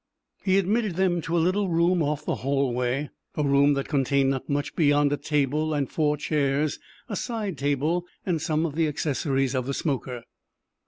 He admitted them to a little room off the hallway, a room that contained not much beyond a table and four chairs, a side table and some of the accessories of the smoker.